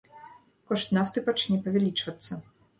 Кошт нафты пачне павялічвацца.